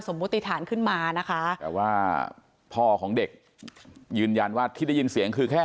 มติฐานขึ้นมานะคะแต่ว่าพ่อของเด็กยืนยันว่าที่ได้ยินเสียงคือแค่